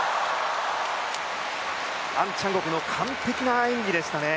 アンチャンゴクの完璧な演技でしたね。